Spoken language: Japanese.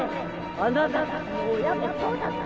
あなたたちの親もそうだった！